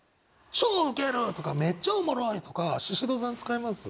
「超ウケる」とか「めっちゃおもろい」とかシシドさん使います？